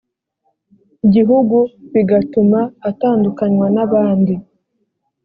gihugu bigatuma atandukanywa n abandi